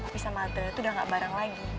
pisa madel itu udah gak bareng lagi